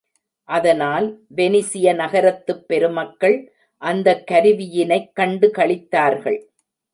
அதனால், வெனிசிய நகரத்துப் பெருமக்கள் அந்தக் கருவியினைக் கண்டுகளித்தார்கள்.